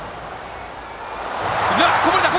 こぼれた！